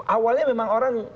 awalnya memang orang